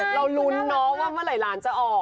เราลุ้นเนาะว่าเมื่อไหร่หลานจะออก